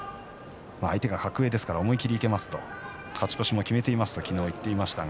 相手が格上ですから思い切りいけますと勝ち越しを決めますと昨日言っていました。